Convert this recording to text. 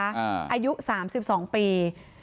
อายุ๓๒ปี